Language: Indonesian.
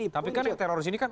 tapi kan teroris ini kan